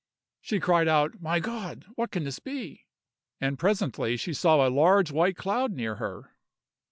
She cried out, "My God! what can this be!" and presently she saw a large white cloud near her.